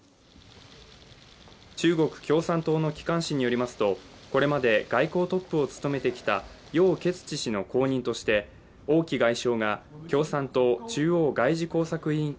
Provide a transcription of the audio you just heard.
中国共産党の機関誌によりますと、これまで外交トップを務めてきた楊潔チ氏の後任として王毅外相が共産党中央外事工作委員会